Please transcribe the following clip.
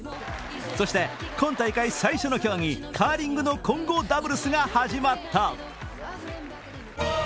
そして今大会最初の競技、カーリングの混合ダブルスが始まった。